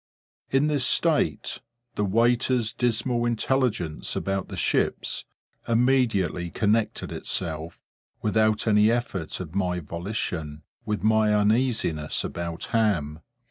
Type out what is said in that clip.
In this state, the waiter's dismal intelligence about the ships immediately connected itself, without any effort of my volition, with my uneasiness about Ham.